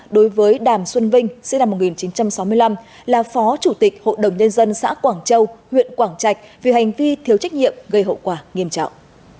đối với đàm xuân vinh sinh năm một nghìn chín trăm sáu mươi năm là phó chủ tịch hội đồng nhân dân xã quảng châu huyện quảng trạch vì hành vi thiếu trách nhiệm gây hậu quả nghiêm trọng